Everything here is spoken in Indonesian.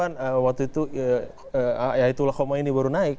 saya ingat tahun delapan puluh an waktu itu ya itulah koma ini baru naik